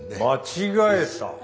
間違えた？